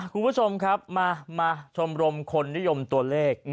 คุณผู้ชมครับมาชมรมคนนิยมตัวเลข